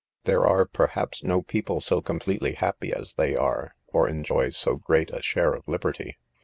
There are, perhaps, no people so completely happy as they are, or enjoy so great a share of liberty.